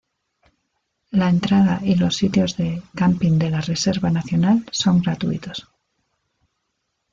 La entrada y los sitios de Camping de la Reserva nacional son gratuitos.